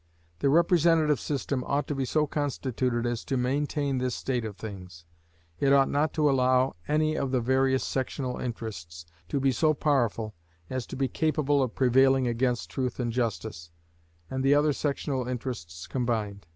The representative system ought to be so constituted as to maintain this state of things; it ought not to allow any of the various sectional interests to be so powerful as to be capable of prevailing against truth and justice, and the other sectional interests combined.